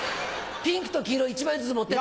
ピンクと黄色１枚ずつ持ってって。